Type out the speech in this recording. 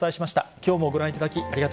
きょうもご覧いただき、ありがと